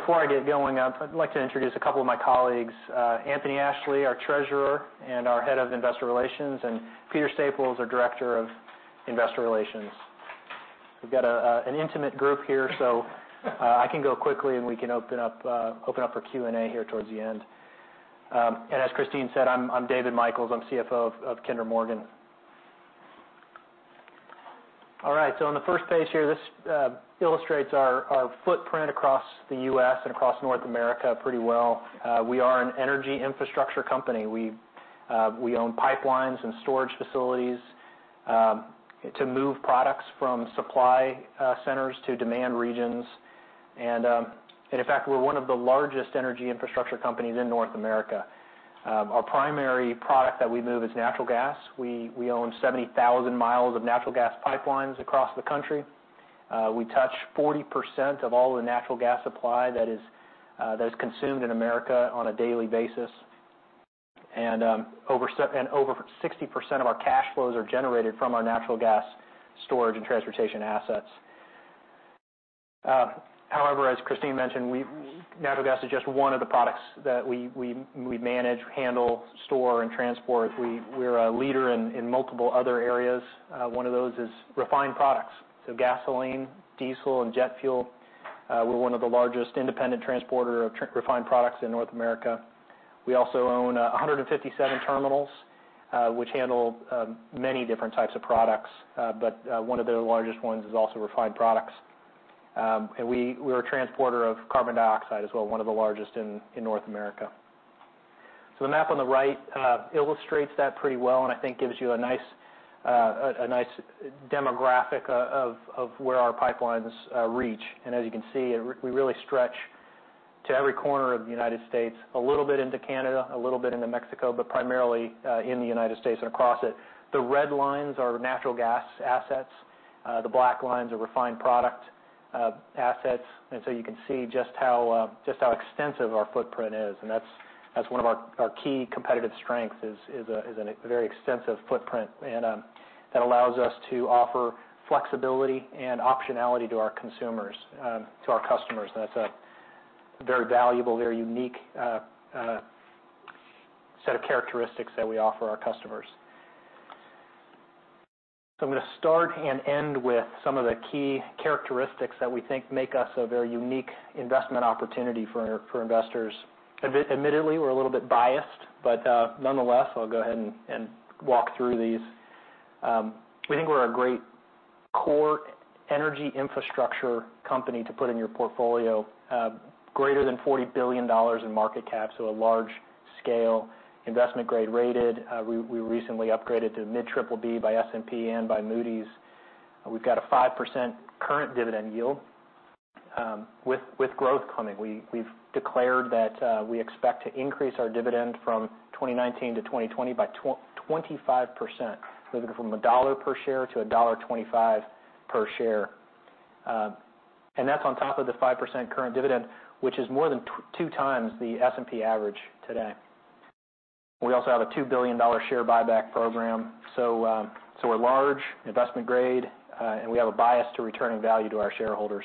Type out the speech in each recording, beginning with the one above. Before I get going, I'd like to introduce a couple of my colleagues, Anthony Ashley, our Treasurer and our head of Investor Relations, and Peter Staples, our Director of Investor Relations. We've got an intimate group here, so I can go quickly, and we can open up for Q&A here towards the end. As Christine said, I'm David Michels. I'm CFO of Kinder Morgan. On the first page here, this illustrates our footprint across the U.S. and across North America pretty well. We are an energy infrastructure company. We own pipelines and storage facilities to move products from supply centers to demand regions. In fact, we're one of the largest energy infrastructure companies in North America. Our primary product that we move is natural gas. We own 70,000 miles of natural gas pipelines across the country. We touch 40% of all the natural gas supply that is consumed in America on a daily basis. Over 60% of our cash flows are generated from our natural gas storage and transportation assets. However, as Christine mentioned, natural gas is just one of the products that we manage, handle, store, and transport. We're a leader in multiple other areas. One of those is refined products, so gasoline, diesel, and jet fuel. We're one of the largest independent transporter of refined products in North America. We also own 157 terminals, which handle many different types of products. One of the largest ones is also refined products. We're a transporter of carbon dioxide as well, one of the largest in North America. The map on the right illustrates that pretty well and I think gives you a nice demographic of where our pipelines reach. As you can see, we really stretch to every corner of the United States, a little bit into Canada, a little bit into Mexico, but primarily, in the United States and across it. The red lines are natural gas assets. The black lines are refined product assets. You can see just how extensive our footprint is, and that's one of our key competitive strengths is a very extensive footprint, and that allows us to offer flexibility and optionality to our consumers, to our customers. That's a very valuable, very unique set of characteristics that we offer our customers. I'm going to start and end with some of the key characteristics that we think make us a very unique investment opportunity for investors. Admittedly, we're a little bit biased, but nonetheless, I'll go ahead and walk through these. We think we're a great core energy infrastructure company to put in your portfolio. Greater than $40 billion in market cap, a large-scale investment-grade rated. We recently upgraded to mid-BBB by S&P and by Moody's. We've got a 5% current dividend yield with growth coming. We've declared that we expect to increase our dividend from 2019 to 2020 by 25%, moving from $1 per share to $1.25 per share. That's on top of the 5% current dividend, which is more than two times the S&P average today. We also have a $2 billion share buyback program. We're large investment grade, and we have a bias to returning value to our shareholders.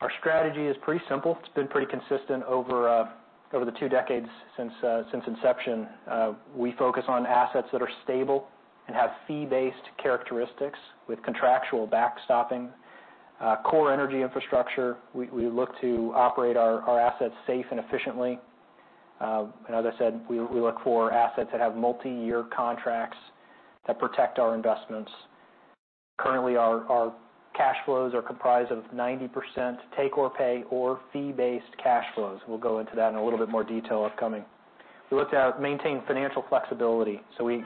Our strategy is pretty simple. It's been pretty consistent over the two decades since inception. We focus on assets that are stable and have fee-based characteristics with contractual backstopping. Core energy infrastructure. We look to operate our assets safe and efficiently. As I said, we look for assets that have multi-year contracts that protect our investments. Currently, our cash flows are comprised of 90% take-or-pay or fee-based cash flows. We'll go into that in a little bit more detail upcoming. We look to maintain financial flexibility. We've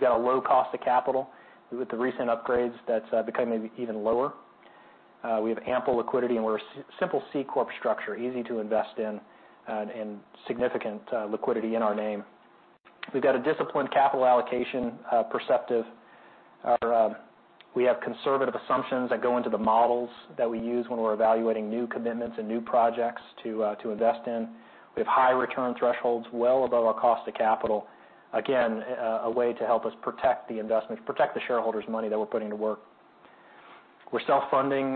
got a low cost of capital. With the recent upgrades, that's becoming even lower. We have ample liquidity, and we're a simple C corp structure, easy to invest in, and significant liquidity in our name. We've got a disciplined capital allocation perspective. We have conservative assumptions that go into the models that we use when we're evaluating new commitments and new projects to invest in. We have high return thresholds well above our cost of capital. Again, a way to help us protect the investment, protect the shareholders' money that we're putting to work. We're self-funding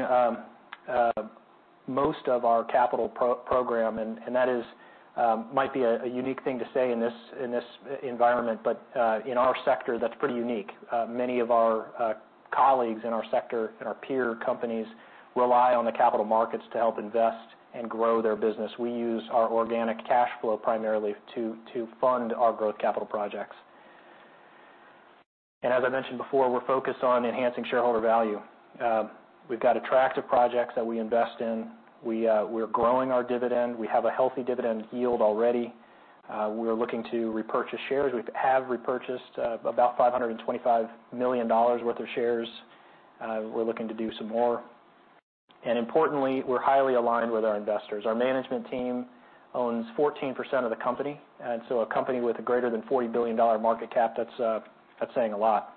most of our capital program, that might be a unique thing to say in this environment. In our sector, that's pretty unique. Many of our colleagues in our sector and our peer companies rely on the capital markets to help invest and grow their business. We use our organic cash flow primarily to fund our growth capital projects. As I mentioned before, we're focused on enhancing shareholder value. We've got attractive projects that we invest in. We're growing our dividend. We have a healthy dividend yield already. We're looking to repurchase shares. We have repurchased about $525 million worth of shares. We're looking to do some more. Importantly, we're highly aligned with our investors. Our management team owns 14% of the company, a company with a greater than $40 billion market cap, that's saying a lot.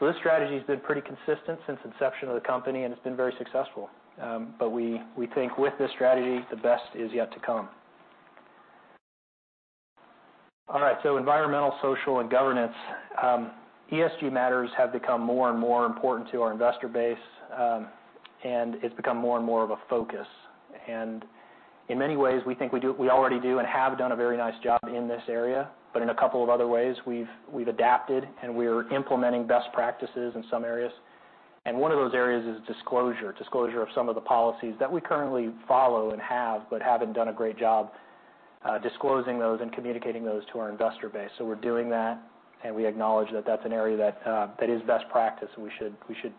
This strategy's been pretty consistent since inception of the company, it's been very successful. We think with this strategy, the best is yet to come. All right. Environmental, social, and governance. ESG matters have become more and more important to our investor base, it's become more and more of a focus. In many ways, we think we already do and have done a very nice job in this area. In a couple of other ways, we've adapted, we're implementing best practices in some areas. One of those areas is disclosure of some of the policies that we currently follow and have, but haven't done a great job disclosing those and communicating those to our investor base. We're doing that, we acknowledge that that's an area that is best practice, we should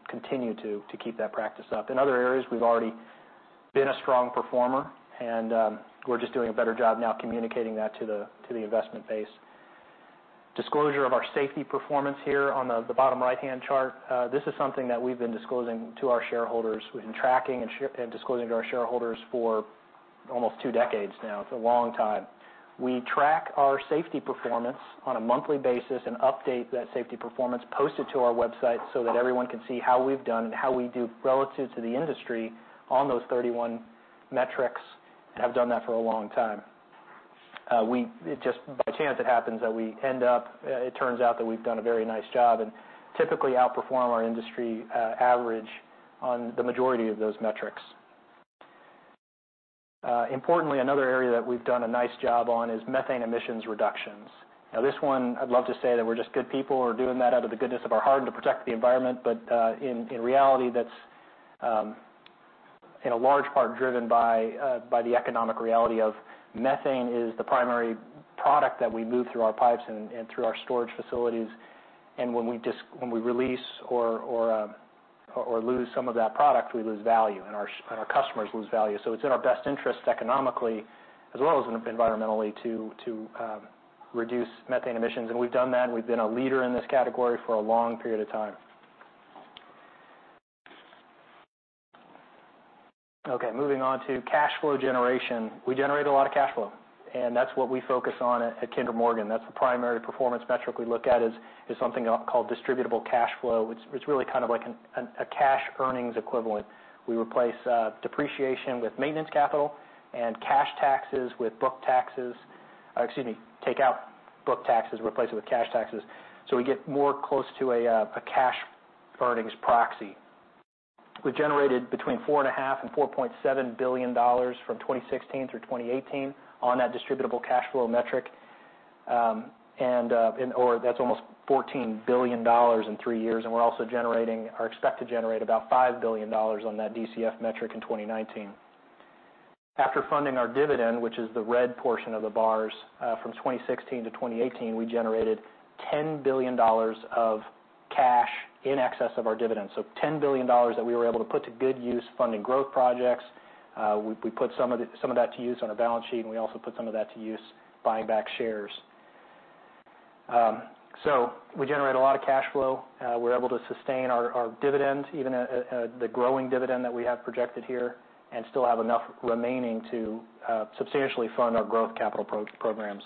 continue to keep that practice up. In other areas, we've already been a strong performer, we're just doing a better job now communicating that to the investment base. Disclosure of our safety performance here on the bottom right-hand chart. This is something that we've been tracking and disclosing to our shareholders for almost 2 decades now. It's a long time. We track our safety performance on a monthly basis and update that safety performance, post it to our website so that everyone can see how we've done and how we do relative to the industry on those 31 metrics. Have done that for a long time. Just by chance, it happens that it turns out that we've done a very nice job and typically outperform our industry average on the majority of those metrics. Importantly, another area that we've done a nice job on is methane emissions reductions. This one, I'd love to say that we're just good people who are doing that out of the goodness of our heart and to protect the environment. In reality, that's in a large part driven by the economic reality of methane is the primary product that we move through our pipes and through our storage facilities. When we release or lose some of that product, we lose value, and our customers lose value. It's in our best interest economically as well as environmentally to reduce methane emissions. We've done that, and we've been a leader in this category for a long period of time. Okay. Moving on to cash flow generation. We generate a lot of cash flow, and that's what we focus on at Kinder Morgan. That's the primary performance metric we look at, is something called distributable cash flow. It's really kind of like a cash earnings equivalent. We replace depreciation with maintenance capital and cash taxes with book taxes. Excuse me, take out book taxes, replace it with cash taxes, we get more close to a cash earnings proxy. We've generated between $4.5 billion and $4.7 billion from 2016 through 2018 on that distributable cash flow metric. That's almost $14 billion in three years. We're also expect to generate about $5 billion on that DCF metric in 2019. After funding our dividend, which is the red portion of the bars. From 2016 to 2018, we generated $10 billion of cash in excess of our dividends. $10 billion that we were able to put to good use funding growth projects. We put some of that to use on our balance sheet, and we also put some of that to use buying back shares. We generate a lot of cash flow. We're able to sustain our dividends, even the growing dividend that we have projected here and still have enough remaining to substantially fund our growth capital programs.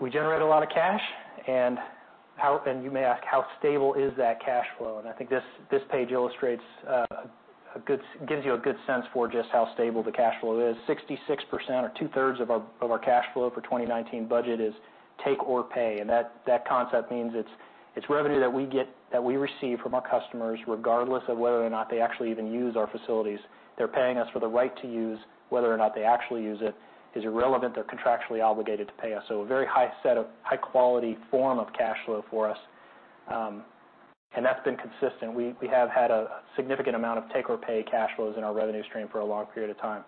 We generate a lot of cash, and you may ask, how stable is that cash flow? I think this page gives you a good sense for just how stable the cash flow is. 66% or two-thirds of our cash flow for 2019 budget is take-or-pay. That concept means it's revenue that we receive from our customers, regardless of whether or not they actually even use our facilities. They're paying us for the right to use. Whether or not they actually use it is irrelevant. They're contractually obligated to pay us. A very high-quality form of cash flow for us. That's been consistent. We have had a significant amount of take-or-pay cash flows in our revenue stream for a long period of time.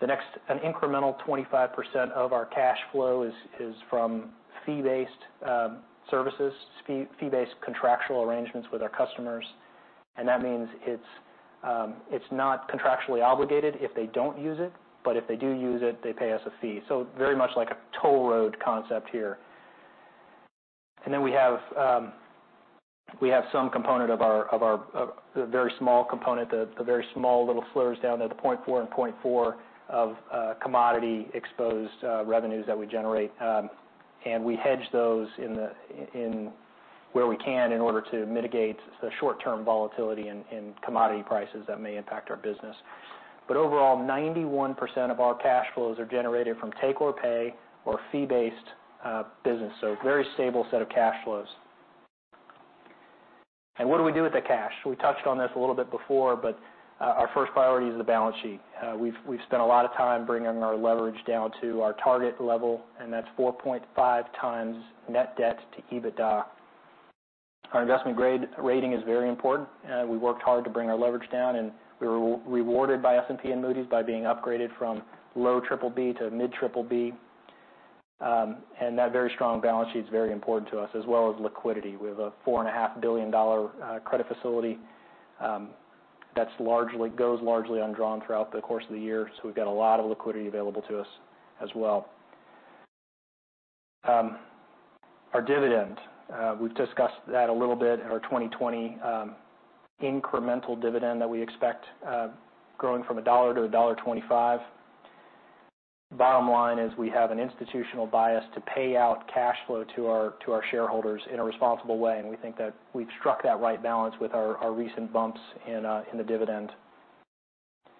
An incremental 25% of our cash flow is from fee-based services, fee-based contractual arrangements with our customers, that means it's not contractually obligated if they don't use it, but if they do use it, they pay us a fee. Very much like a toll road concept here. We have a very small component, the very small little slurs down there, the 0.4 and 0.4 of commodity exposed revenues that we generate. We hedge those where we can in order to mitigate the short-term volatility in commodity prices that may impact our business. Overall, 91% of our cash flows are generated from take-or-pay or fee-based business. A very stable set of cash flows. What do we do with the cash? We touched on this a little bit before, but our first priority is the balance sheet. We've spent a lot of time bringing our leverage down to our target level, and that's 4.5 times net debt to EBITDA. Our investment-grade rating is very important. We worked hard to bring our leverage down, and we were rewarded by S&P and Moody's by being upgraded from low BBB to mid BBB. That very strong balance sheet is very important to us as well as liquidity. We have a $4.5 billion credit facility that goes largely undrawn throughout the course of the year. We've got a lot of liquidity available to us as well. Our dividend, we've discussed that a little bit. Our 2020 incremental dividend that we expect growing from $1.00 to $1.25. The bottom line is we have an institutional bias to pay out cash flow to our shareholders in a responsible way, and we think that we've struck that right balance with our recent bumps in the dividend.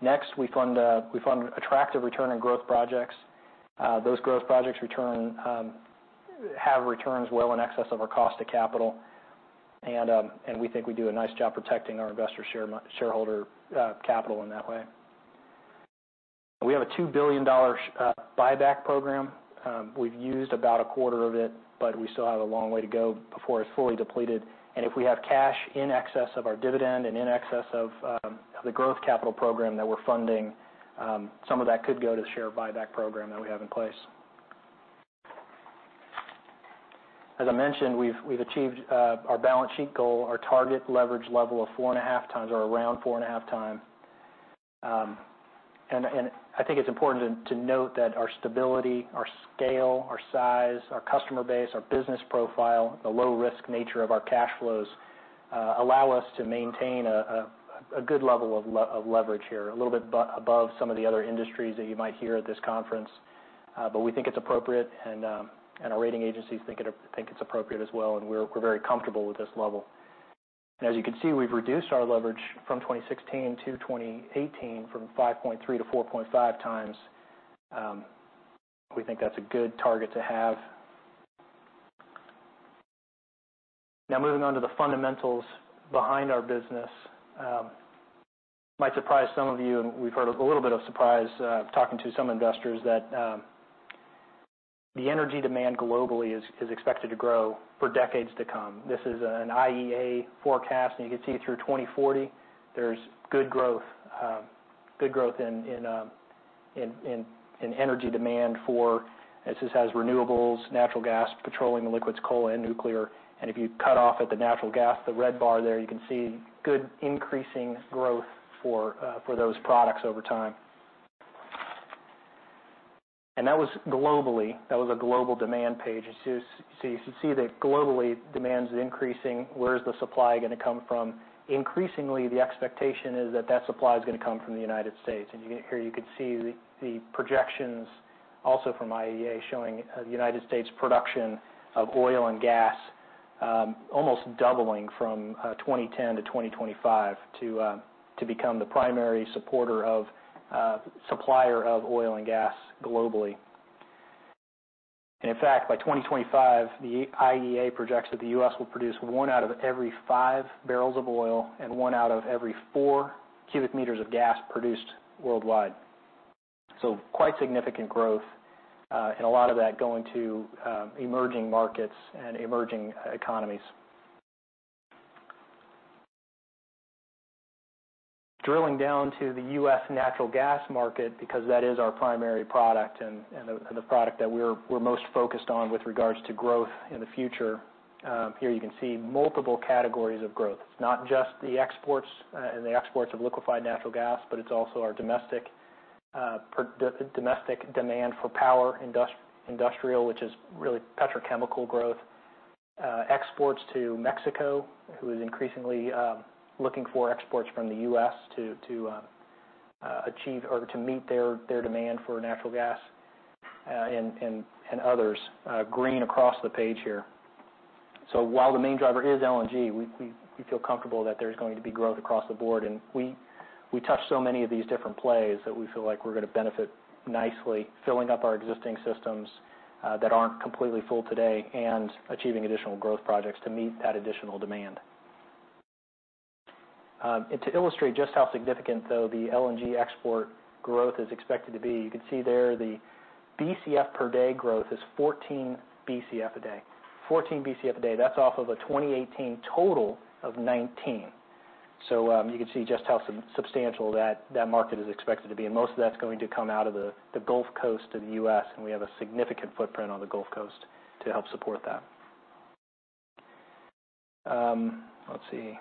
Next, we fund attractive return on growth projects. Those growth projects have returns well in excess of our cost of capital, and we think we do a nice job protecting our investor shareholder capital in that way. We have a $2 billion buyback program. We've used about a quarter of it, but we still have a long way to go before it's fully depleted, and if we have cash in excess of our dividend and in excess of the growth capital program that we're funding, some of that could go to the share buyback program that we have in place. As I mentioned, we've achieved our balance sheet goal, our target leverage level of 4.5 times or around 4.5 times. I think it's important to note that our stability, our scale, our size, our customer base, our business profile, the low-risk nature of our cash flows allow us to maintain a good level of leverage here, a little bit above some of the other industries that you might hear at this conference. We think it's appropriate, and our rating agencies think it's appropriate as well, and we're very comfortable with this level. As you can see, we've reduced our leverage from 2016 to 2018 from 5.3 to 4.5 times. We think that's a good target to have. Moving on to the fundamentals behind our business. Might surprise some of you, and we've heard a little bit of surprise talking to some investors that the energy demand globally is expected to grow for decades to come. This is an IEA forecast. You can see through 2040, there's good growth in energy demand for This has renewables, natural gas, petroleum liquids, coal, and nuclear. If you cut off at the natural gas, the red bar there, you can see good increasing growth for those products over time. That was globally. That was a global demand page. You should see that globally demand's increasing. Where's the supply going to come from? Increasingly, the expectation is that that supply is going to come from the U.S., and here you could see the projections also from IEA showing the U.S. production of oil and gas almost doubling from 2010 to 2025 to become the primary supplier of oil and gas globally. In fact, by 2025, the IEA projects that the U.S. will produce one out of every five barrels of oil and one out of every four cubic meters of gas produced worldwide. Quite significant growth, and a lot of that going to emerging markets and emerging economies. Drilling down to the U.S. natural gas market, because that is our primary product and the product that we're most focused on with regards to growth in the future. Here you can see multiple categories of growth. It's not just the exports and the exports of liquefied natural gas, but it's also our domestic demand for power industrial, which is really petrochemical growth. Exports to Mexico, who is increasingly looking for exports from the U.S. to meet their demand for natural gas, and others, green across the page here. While the main driver is LNG, we feel comfortable that there's going to be growth across the board, and we touch so many of these different plays that we feel like we're going to benefit nicely filling up our existing systems that aren't completely full today and achieving additional growth projects to meet that additional demand. To illustrate just how significant, though, the LNG export growth is expected to be, you can see there the BCF per day growth is 14 BCF a day. 14 BCF a day. That's off of a 2018 total of 19. You can see just how substantial that market is expected to be, and most of that's going to come out of the Gulf Coast of the U.S., and we have a significant footprint on the Gulf Coast to help support that. Let's see.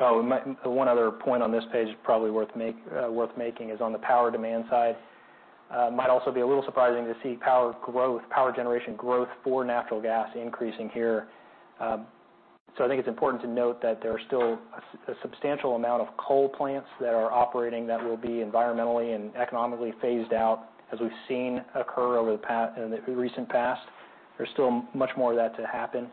One other point on this page probably worth making is on the power demand side. Might also be a little surprising to see power generation growth for natural gas increasing here. I think it's important to note that there are still a substantial amount of coal plants that are operating that will be environmentally and economically phased out, as we've seen occur in the recent past. There's still much more of that to happen.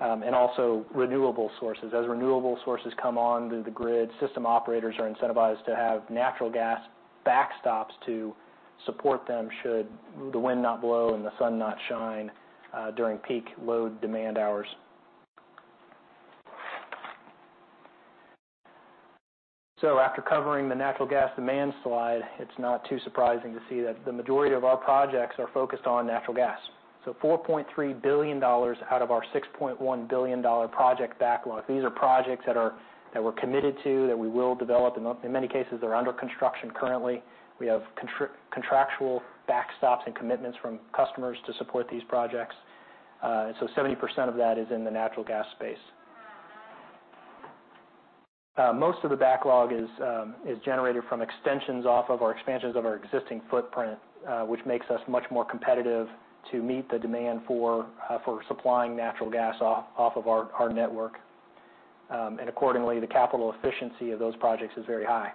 Also renewable sources. As renewable sources come on to the grid, system operators are incentivized to have natural gas backstops to support them should the wind not blow and the sun not shine during peak load demand hours. After covering the natural gas demand slide, it's not too surprising to see that the majority of our projects are focused on natural gas. $4.3 billion out of our $6.1 billion project backlog. These are projects that we're committed to, that we will develop. In many cases, they're under construction currently. We have contractual backstops and commitments from customers to support these projects. 70% of that is in the natural gas space. Most of the backlog is generated from extensions off of our expansions of our existing footprint, which makes us much more competitive to meet the demand for supplying natural gas off of our network. Accordingly, the capital efficiency of those projects is very high.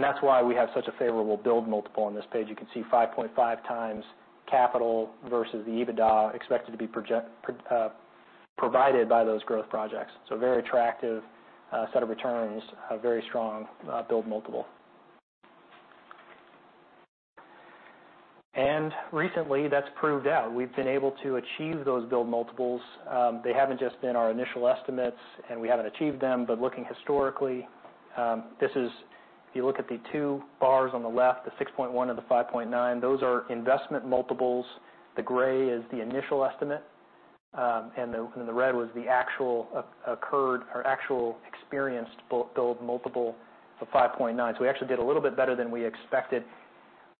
That's why we have such a favorable build multiple on this page. You can see 5.5x capital versus the EBITDA expected to be provided by those growth projects. A very attractive set of returns, a very strong build multiple. Recently, that's proved out. We've been able to achieve those build multiples. They haven't just been our initial estimates, we haven't achieved them. Looking historically, if you look at the two bars on the left, the 6.1 and the 5.9, those are investment multiples. The gray is the initial estimate. The red was the actual occurred, or actual experienced build multiple of 5.9. We actually did a little bit better than we expected,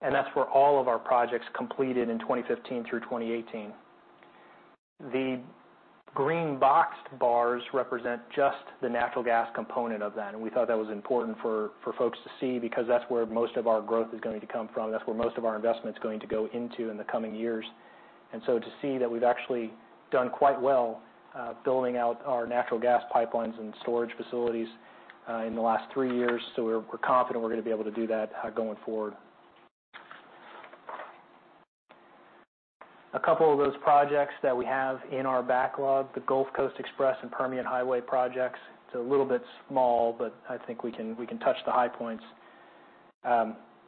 and that's for all of our projects completed in 2015 through 2018. The green boxed bars represent just the natural gas component of that, we thought that was important for folks to see because that's where most of our growth is going to come from. That's where most of our investment's going to go into in the coming years. To see that we've actually done quite well building out our natural gas pipelines and storage facilities in the last three years, we're confident we're going to be able to do that going forward. A couple of those projects that we have in our backlog, the Gulf Coast Express and Permian Highway projects. It's a little bit small, but I think we can touch the high points.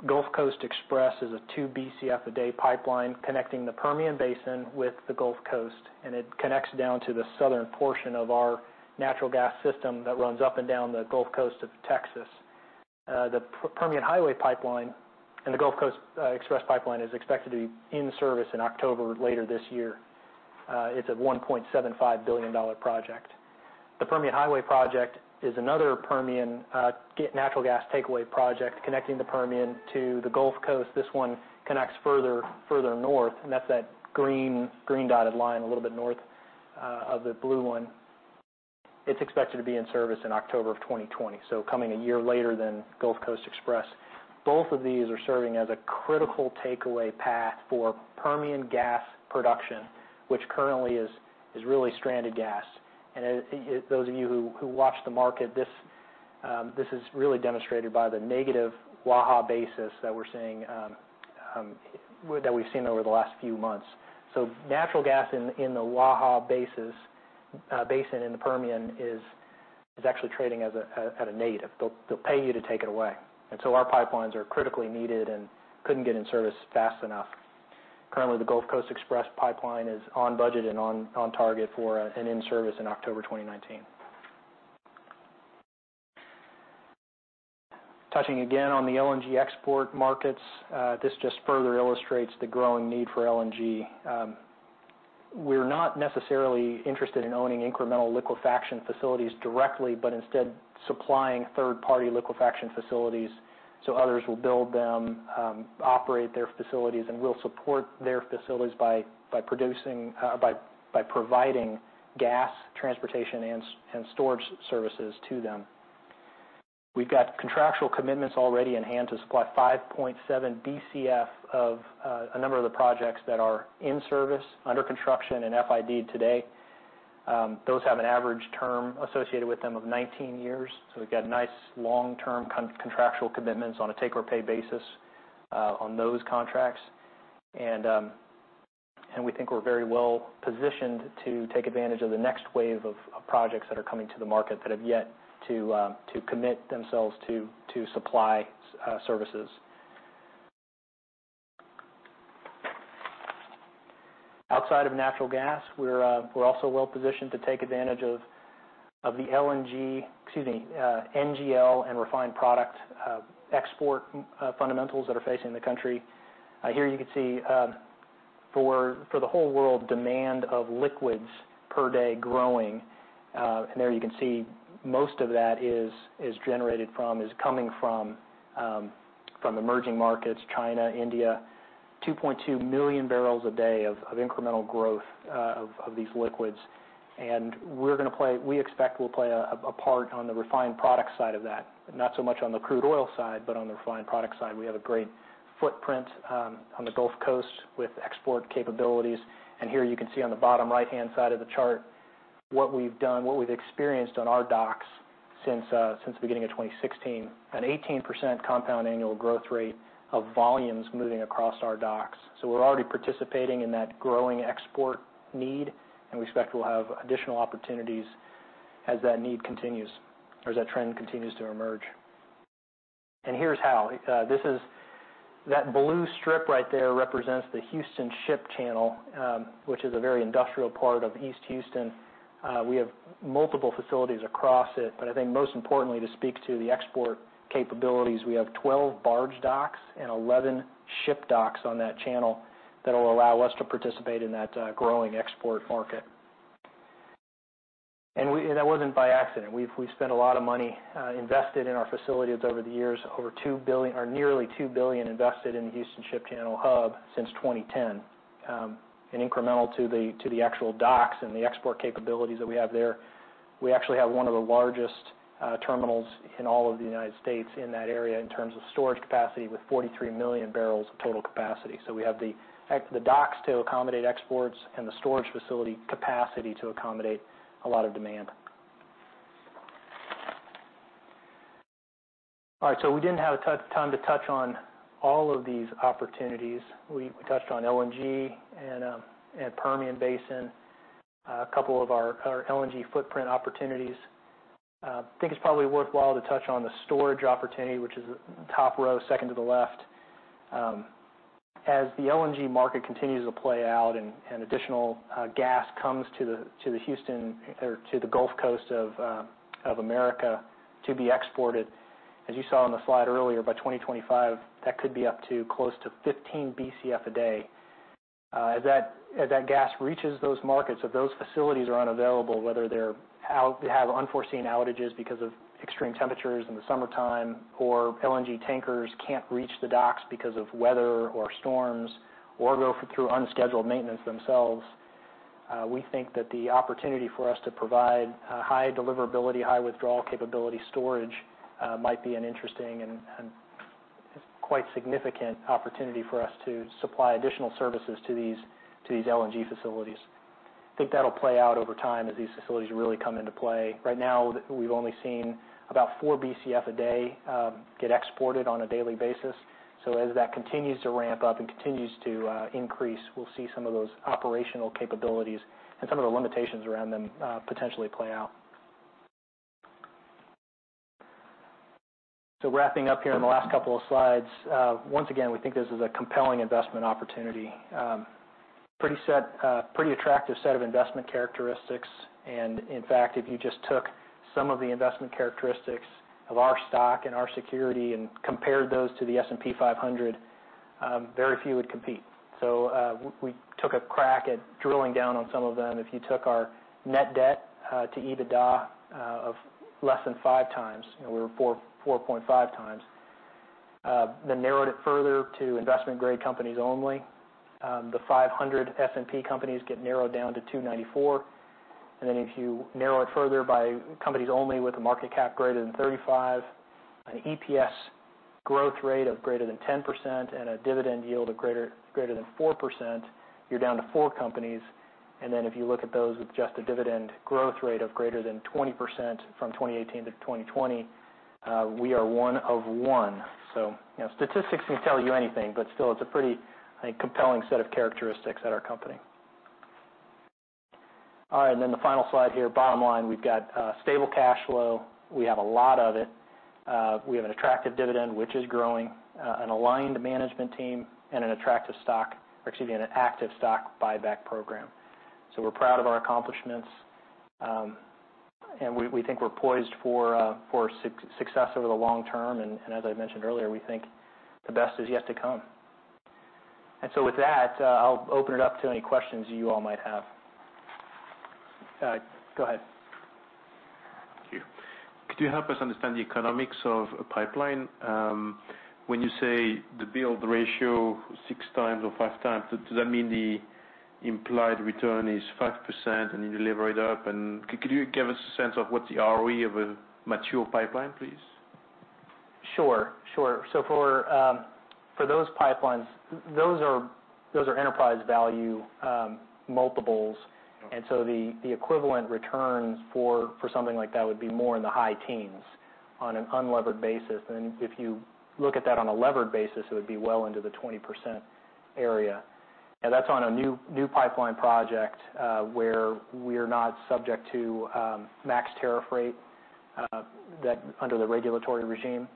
Gulf Coast Express is a 2 BCF a day pipeline connecting the Permian Basin with the Gulf Coast, and it connects down to the southern portion of our natural gas system that runs up and down the Gulf Coast of Texas. The Permian Highway Pipeline and the Gulf Coast Express Pipeline is expected to be in service in October later this year. It's a $1.75 billion project. The Permian Highway project is another Permian natural gas takeaway project connecting the Permian to the Gulf Coast. This one connects further north, that's that green dotted line a little bit north of the blue one. It's expected to be in service in October of 2020, coming a year later than Gulf Coast Express. Both of these are serving as a critical takeaway path for Permian gas production, which currently is really stranded gas. Those of you who watch the market, this is really demonstrated by the negative Waha basis that we've seen over the last few months. Natural gas in the Waha Basin in the Permian is actually trading at a negative. They'll pay you to take it away. Our pipelines are critically needed and couldn't get in service fast enough. Currently, the Gulf Coast Express Pipeline is on budget and on target for an in-service in October 2019. Touching again on the LNG export markets, this just further illustrates the growing need for LNG. We are not necessarily interested in owning incremental liquefaction facilities directly, but instead supplying third-party liquefaction facilities. Others will build them, operate their facilities, and we will support their facilities by providing gas transportation and storage services to them. We have got contractual commitments already in hand to supply 5.7 BCF of a number of the projects that are in service, under construction, and FID today. Those have an average term associated with them of 19 years. We have got nice long-term contractual commitments on a take-or-pay basis on those contracts. We think we are very well-positioned to take advantage of the next wave of projects that are coming to the market that have yet to commit themselves to supply services. Outside of natural gas, we are also well-positioned to take advantage of the NGL and refined product export fundamentals that are facing the country. Here you can see, for the whole world, demand of liquids per day growing. There you can see most of that is coming from emerging markets, China, India. 2.2 million barrels a day of incremental growth of these liquids. We expect we will play a part on the refined product side of that. Not so much on the crude oil side, but on the refined product side. We have a great footprint on the Gulf Coast with export capabilities. Here you can see on the bottom right-hand side of the chart what we have experienced on our docks since the beginning of 2016. An 18% compound annual growth rate of volumes moving across our docks. We are already participating in that growing export need, and we expect we will have additional opportunities as that trend continues to emerge. Here is how. That blue strip right there represents the Houston Ship Channel, which is a very industrial part of East Houston. We have multiple facilities across it, but I think most importantly, to speak to the export capabilities, we have 12 barge docks and 11 ship docks on that channel that will allow us to participate in that growing export market. That was not by accident. We have spent a lot of money invested in our facilities over the years. Over nearly $2 billion invested in the Houston Ship Channel hub since 2010. Incremental to the actual docks and the export capabilities that we have there. We actually have one of the largest terminals in all of the U.S. in that area in terms of storage capacity with 43 million barrels of total capacity. We have the docks to accommodate exports and the storage facility capacity to accommodate a lot of demand. All right, we did not have time to touch on all of these opportunities. We touched on LNG and Permian Basin, a couple of our LNG footprint opportunities. Think it is probably worthwhile to touch on the storage opportunity, which is top row, second to the left. As the LNG market continues to play out and additional gas comes to the Gulf Coast of America to be exported, as you saw on the slide earlier, by 2025, that could be up to close to 15 BCF a day. As that gas reaches those markets, if those facilities are unavailable, whether they have unforeseen outages because of extreme temperatures in the summertime, or LNG tankers can't reach the docks because of weather or storms, or go through unscheduled maintenance themselves, we think that the opportunity for us to provide high deliverability, high withdrawal capability storage might be an interesting and quite significant opportunity for us to supply additional services to these LNG facilities. Think that'll play out over time as these facilities really come into play. Right now, we've only seen about four BCF a day get exported on a daily basis. As that continues to ramp up and continues to increase, we'll see some of those operational capabilities and some of the limitations around them potentially play out. Wrapping up here in the last couple of slides. Once again, we think this is a compelling investment opportunity. Pretty attractive set of investment characteristics. In fact, if you just took some of the investment characteristics of our stock and our security and compared those to the S&P 500, very few would compete. We took a crack at drilling down on some of them. If you took our net debt to EBITDA of less than five times, we were 4.5 times. Narrowed it further to investment-grade companies only. The 500 S&P companies get narrowed down to 294. If you narrow it further by companies only with a market cap greater than $35, an EPS growth rate of greater than 10%, and a dividend yield of greater than 4%, you're down to four companies. If you look at those with just a dividend growth rate of greater than 20% from 2018 to 2020, we are one of one. Statistics can tell you anything, but still, it's a pretty compelling set of characteristics at our company. All right, the final slide here. Bottom line, we've got stable cash flow. We have a lot of it. We have an attractive dividend, which is growing, an aligned management team, and an active stock buyback program. We're proud of our accomplishments, and we think we're poised for success over the long term. As I mentioned earlier, we think the best is yet to come. With that, I'll open it up to any questions you all might have. Go ahead. Thank you. Could you help us understand the economics of a pipeline? When you say the build ratio six times or five times, does that mean the implied return is 5% and you deliver it up? Could you give us a sense of what the ROE of a mature pipeline, please? Sure. For those pipelines, those are enterprise value multiples. Okay. The equivalent returns for something like that would be more in the high teens on an unlevered basis. If you look at that on a levered basis, it would be well into the 20% area. Now, that's on a new pipeline project where we're not subject to max tariff rate under the regulatory regime.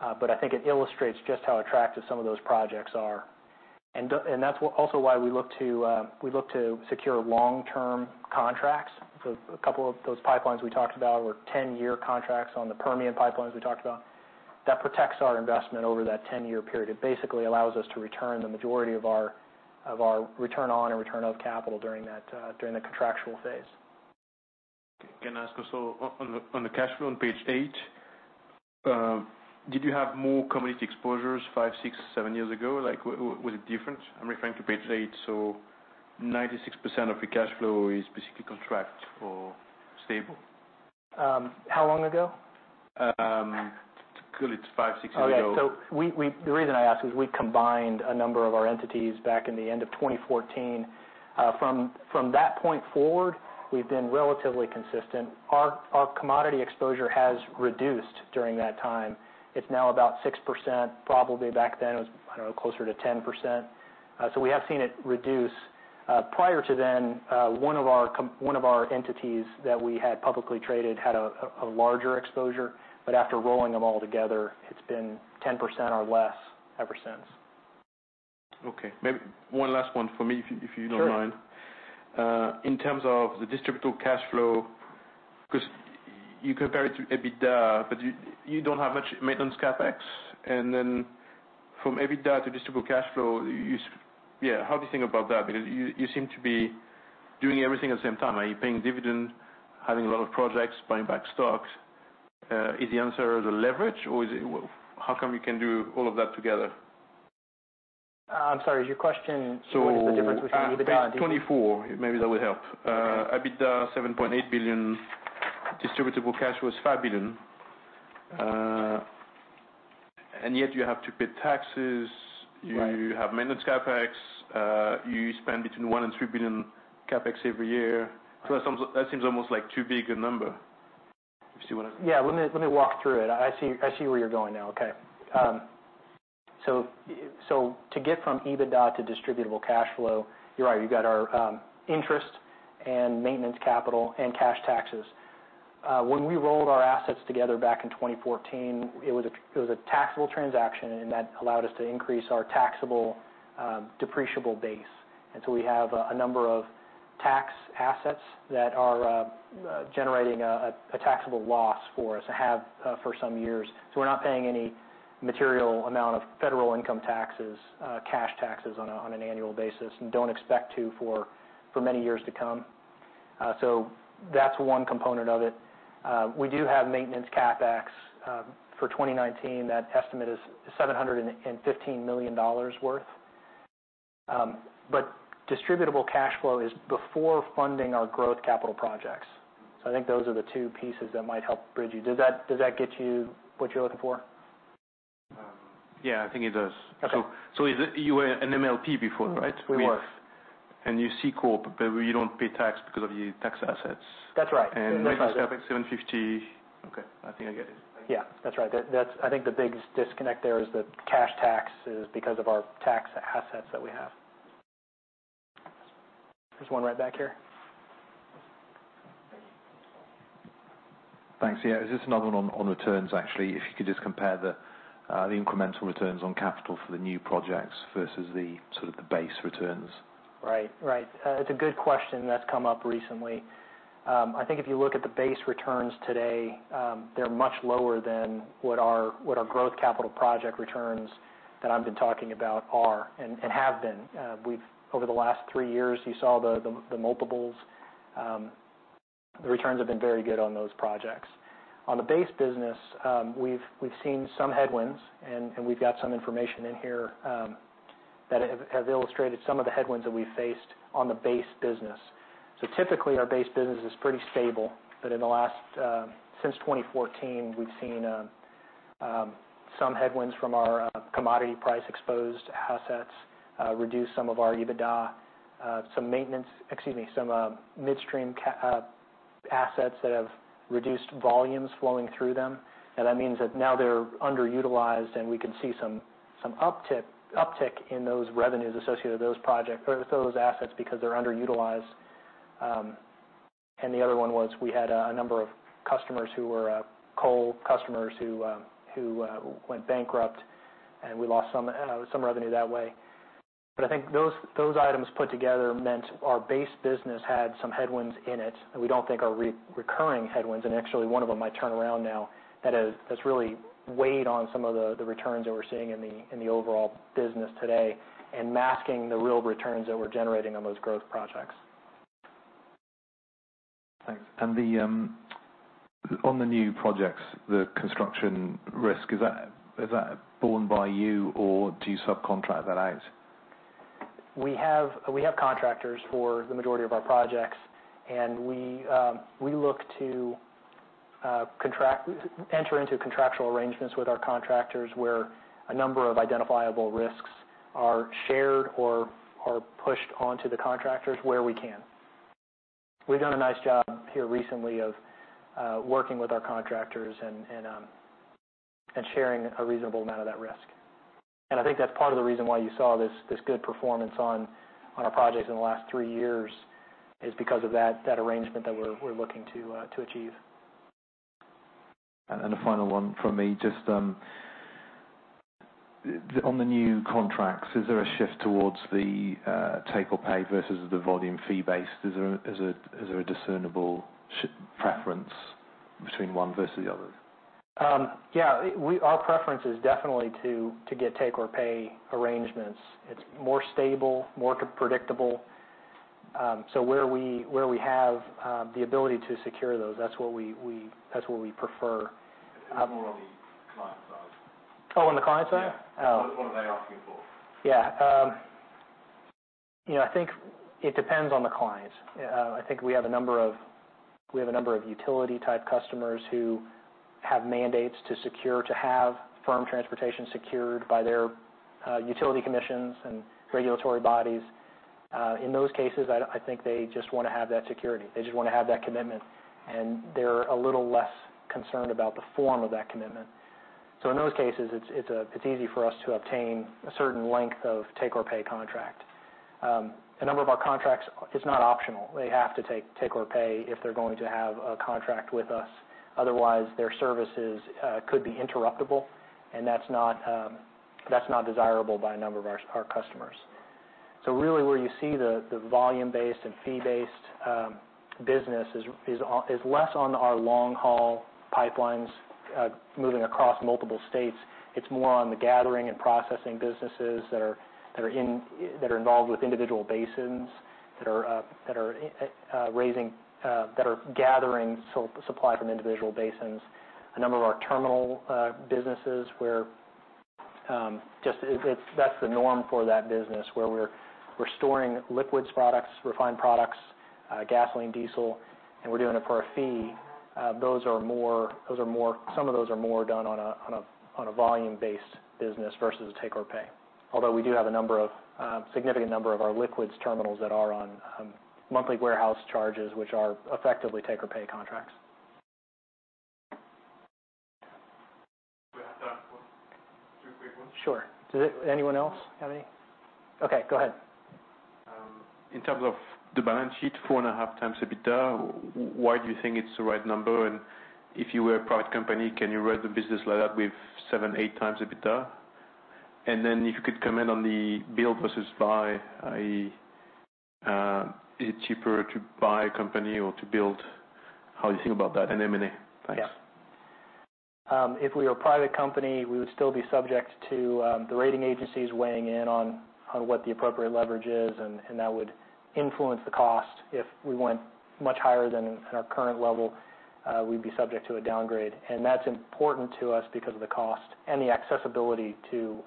I think it illustrates just how attractive some of those projects are. That's also why we look to secure long-term contracts. A couple of those pipelines we talked about were 10-year contracts on the Permian pipelines we talked about. That protects our investment over that 10-year period. It basically allows us to return the majority of our return on and return of capital during the contractual phase. Can I ask also on the cash flow on page eight, did you have more commodity exposures five, six, seven years ago? Was it different? I'm referring to page eight. 96% of the cash flow is basically contract or stable. How long ago? Call it five, six years ago. Oh, yeah. The reason I ask is we combined a number of our entities back in the end of 2014. From that point forward, we've been relatively consistent. Our commodity exposure has reduced during that time. It is now about 6%. Probably back then it was, I don't know, closer to 10%. We have seen it reduce. Prior to then, one of our entities that we had publicly traded had a larger exposure. After rolling them all together, it has been 10% or less ever since. Okay. Maybe one last one for me, if you don't mind. Sure. In terms of the distributable cash flow, because you compare it to EBITDA, you don't have much maintenance CapEx. From EBITDA to distributable cash flow, how do you think about that? Because you seem to be doing everything at the same time. Are you paying dividend, having a lot of projects, buying back stocks? Is the answer the leverage or how come you can do all of that together? I'm sorry, is your question what is the difference between EBITDA and DCF? With 2024, maybe that will help. Okay. EBITDA $7.8 billion, distributable cash was $5 billion. Yet you have to pay taxes. Right. You have maintenance CapEx. You spend between $1 billion and $3 billion CapEx every year. That seems almost too big a number. You see what I mean? Yeah, let me walk through it. I see where you're going now. Okay. To get from EBITDA to distributable cash flow, you're right. You've got our interest and maintenance capital and cash taxes. When we rolled our assets together back in 2014, it was a taxable transaction, and that allowed us to increase our taxable depreciable base. We have a number of tax assets that are generating a taxable loss for us, have for some years. We're not paying any material amount of federal income taxes, cash taxes on an annual basis and don't expect to for many years to come. That's one component of it. We do have maintenance CapEx. For 2019, that estimate is $715 million worth. Distributable cash flow is before funding our growth capital projects. I think those are the two pieces that might help bridge you. Does that get you what you're looking for? Yeah, I think it does. Okay. You were an MLP before, right? We were. You C corp, but you don't pay tax because of your tax assets. That's right. Maintenance CapEx $750. Okay. I think I get it. Yeah. That's right. I think the big disconnect there is the cash tax is because of our tax assets that we have. There's one right back here. Thanks. Yeah. This is another one on returns, actually. If you could just compare the incremental returns on capital for the new projects versus the sort of the base returns. Right. It's a good question that's come up recently. I think if you look at the base returns today, they're much lower than what our growth capital project returns, that I've been talking about, are and have been. Over the last three years, you saw the multiples. The returns have been very good on those projects. On the base business, we've seen some headwinds, and we've got some information in here that have illustrated some of the headwinds that we faced on the base business. Typically, our base business is pretty stable. Since 2014, we've seen some headwinds from our commodity price-exposed assets reduce some of our EBITDA. Some midstream assets that have reduced volumes flowing through them. Now, that means that now they're underutilized, and we can see some uptick in those revenues associated with those assets because they're underutilized. The other one was, we had a number of customers who were coal customers who went bankrupt, and we lost some revenue that way. I think those items put together meant our base business had some headwinds in it that we don't think are recurring headwinds. Actually, one of them might turn around now. That has really weighed on some of the returns that we're seeing in the overall business today and masking the real returns that we're generating on those growth projects. Thanks. On the new projects, the construction risk, is that borne by you, or do you subcontract that out? We have contractors for the majority of our projects, and we look to enter into contractual arrangements with our contractors where a number of identifiable risks are shared or are pushed onto the contractors where we can. We've done a nice job here recently of working with our contractors and sharing a reasonable amount of that risk. I think that's part of the reason why you saw this good performance on our projects in the last three years is because of that arrangement that we're looking to achieve. A final one from me. Just on the new contracts, is there a shift towards the take-or-pay versus the volume fee-based? Is there a discernible preference between one versus the other? Yeah. Our preference is definitely to get take-or-pay arrangements. It's more stable, more predictable. Where we have the ability to secure those, that's what we prefer. Who's more on the client side? Oh, on the client side? Yeah. What are they asking for? Yeah. I think it depends on the client. I think we have a number of utility-type customers who have mandates to have firm transportation secured by their utility commissions and regulatory bodies. In those cases, I think they just want to have that security. They just want to have that commitment, and they're a little less concerned about the form of that commitment. In those cases, it's easy for us to obtain a certain length of take-or-pay contract. A number of our contracts, it's not optional. They have to take take-or-pay if they're going to have a contract with us. Otherwise, their services could be interruptible, and that's not desirable by a number of our customers. Really where you see the volume-based and fee-based business is less on our long-haul pipelines moving across multiple states. It's more on the gathering and processing businesses that are involved with individual basins, that are gathering supply from individual basins. A number of our terminal businesses where that's the norm for that business, where we're storing liquids products, refined products, gasoline, diesel, and we're doing it for a fee. Some of those are more done on a volume-based business versus take-or-pay. Although we do have a significant number of our liquids terminals that are on monthly warehouse charges, which are effectively take-or-pay contracts. We have time for two quick ones. Sure. Does anyone else have any? Okay, go ahead. In terms of the balance sheet, four and a half times EBITDA, why do you think it's the right number? If you were a private company, can you run the business like that with seven, eight times EBITDA? If you could comment on the build versus buy. Is it cheaper to buy a company or to build? How do you think about that in M&A? Thanks. Yeah. If we were a private company, we would still be subject to the rating agencies weighing in on what the appropriate leverage is, and that would influence the cost. If we went much higher than our current level, we'd be subject to a downgrade. That's important to us because of the cost and the accessibility to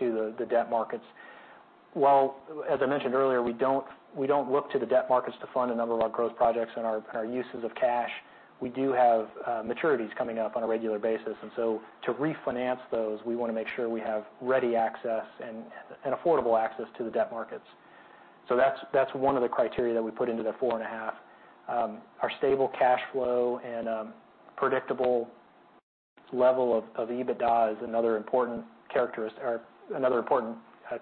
the debt markets. While, as I mentioned earlier, we don't look to the debt markets to fund a number of our growth projects and our uses of cash. We do have maturities coming up on a regular basis. To refinance those, we want to make sure we have ready access and affordable access to the debt markets. That's one of the criteria that we put into the four and a half. Our stable cash flow and predictable level of EBITDA is another important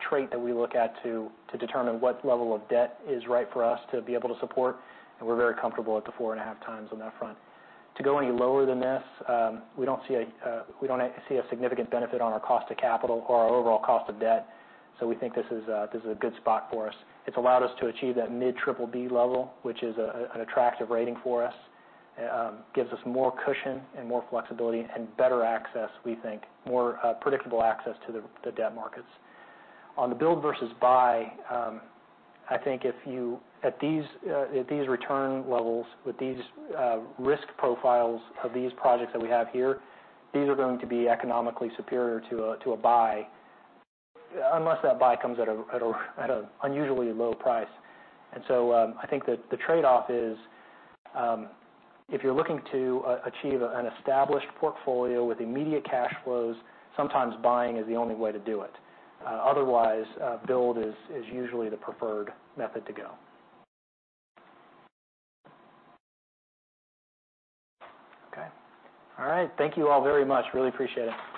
trait that we look at to determine what level of debt is right for us to be able to support. We're very comfortable at the 4.5x on that front. To go any lower than this, we don't see a significant benefit on our cost of capital or our overall cost of debt. We think this is a good spot for us. It's allowed us to achieve that mid-BBB level, which is an attractive rating for us. This gives us more cushion and more flexibility and better access, we think, more predictable access to the debt markets. On the build versus buy, I think at these return levels, with these risk profiles of these projects that we have here, these are going to be economically superior to a buy, unless that buy comes at an unusually low price. I think that the trade-off is, if you're looking to achieve an established portfolio with immediate cash flows, sometimes buying is the only way to do it. Otherwise, build is usually the preferred method to go. Okay. All right. Thank you all very much. Really appreciate it. Thank you very much.